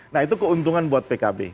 nah itu keuntungan buat pkb